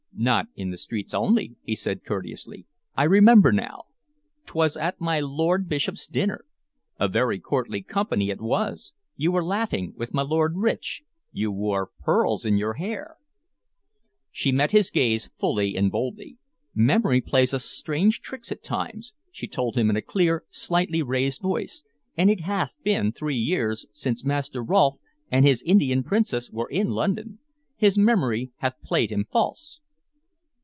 "Not in the streets only," he said courteously. "I remember now: 't was at my lord bishop's dinner. A very courtly company it was. You were laughing with my Lord Rich. You wore pearls in your hair" She met his gaze fully and boldly. "Memory plays us strange tricks at times," she told him in a clear, slightly raised voice, "and it hath been three years since Master Rolfe and his Indian princess were in London. His memory hath played him false."